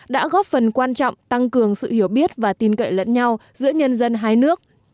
đã góp phần quan trọng tăng cường sự hiểu biết và tin cậy lẫn nhau giữa nhân dân hai nước